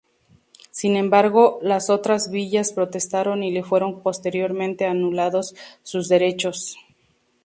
Sin embargo, las otras villas protestaron y le fueron posteriormente anulados sus derechos.